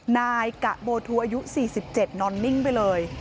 นายกะโบทูอายุ๔๗นอนนิ่งไปเลย